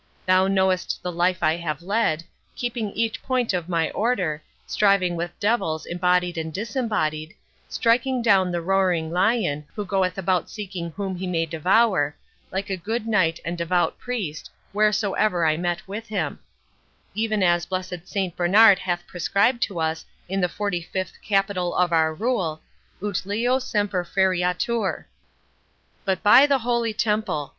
Thou knowest the life I have led, keeping each point of my Order, striving with devils embodied and disembodied, striking down the roaring lion, who goeth about seeking whom he may devour, like a good knight and devout priest, wheresoever I met with him—even as blessed Saint Bernard hath prescribed to us in the forty fifth capital of our rule, 'Ut Leo semper feriatur'. 49 "But by the Holy Temple!